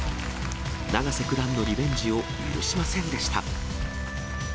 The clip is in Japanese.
永瀬九段のリベンジを許しませんでした。